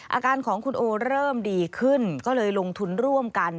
อาการของคุณโอเริ่มดีขึ้นก็เลยลงทุนร่วมกัน